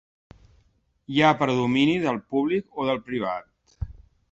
Hi ha predomini del públic o del privat?